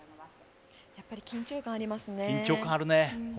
やっぱり緊張感ありますね。